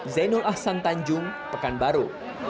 zainul ahsan tanjung pekanbaru